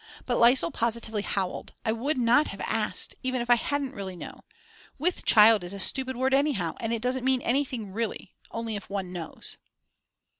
But Lisel positively howled. I would not have asked, even if I hadn't really known. With child is a stupid word anyhow, it doesn't mean anything really; only if one knows.